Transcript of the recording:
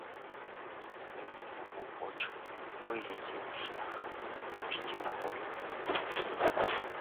Завяжы яму вочы, выведзі на шлях і пусці на волю!